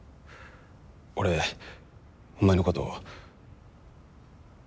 俺お前のこと。